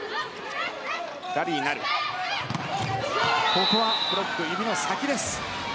ここはブロック指の先です。